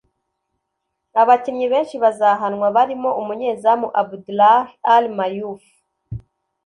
Abakinnyi benshi bazahanwa barimo umunyezamu Abdullah Al-Mayouf